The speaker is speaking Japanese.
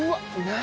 何？